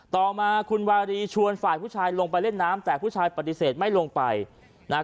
ต่อมาคุณวารีชวนฝ่ายผู้ชายลงไปเล่นน้ำแต่ผู้ชายปฏิเสธไม่ลงไปนะฮะ